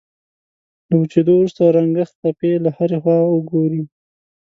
له وچېدو وروسته رنګه خپې له هرې خوا وګورئ.